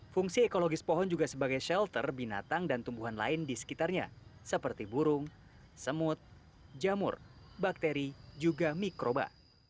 fungsi ekologis pohon juga sebagai shelter binatang dan tumbuhan lain di sekitarnya seperti burung semut jamur bakteri juga mikroba